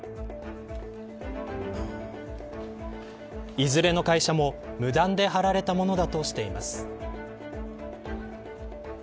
いずれの会社も無断で貼られたものだとしています。